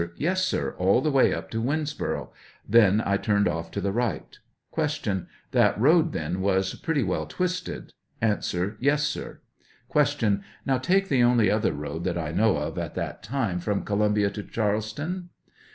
Yes, sir; all the way up to Winnsboro'; then I turned off to the right. Q. That road, then, was pretty well twisted? A. Yes, sir. Q. Now, take the only other road that I know of at that time from Columbia to Charleston?